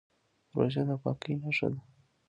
روژه د پاکۍ نښه ده.